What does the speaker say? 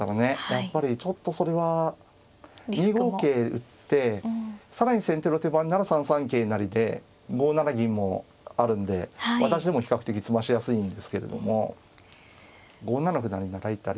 やっぱりちょっとそれは２五桂打って更に先手の手番なら３三桂成で５七銀もあるんで私でも比較的詰ましやすいんですけれども５七歩成成られたり。